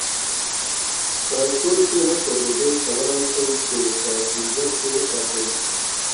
په کور کې وچه ډوډۍ کولای شئ چې په فریزر کې وساتئ.